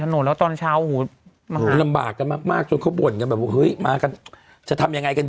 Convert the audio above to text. เขาจะมีการไปเช็คสะพานกับรถในเส้นนั้น